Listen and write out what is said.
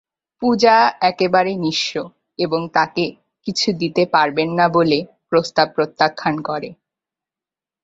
পূজা একেবারে নিঃস্ব এবং তাকে কিছু দিতে পারবেন না বলে প্রস্তাব প্রত্যাখ্যান করে।